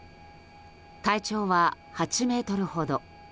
体長は８ｍほど。